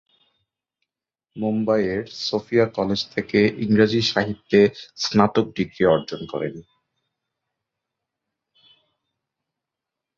মুম্বাইয়ের Sophia college থেকে ইংরেজি সাহিত্যে স্নাতক ডিগ্রি অর্জন করেন।